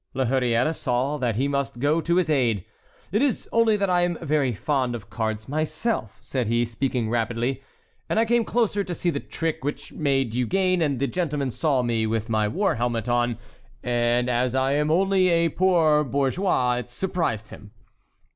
La Hurière saw that he must go to his aid: "It is only that I am very fond of cards myself," said he, speaking rapidly, "and I came closer to see the trick which made you gain, and the gentleman saw me with my war helmet on, and as I am only a poor bourgeois, it surprised him."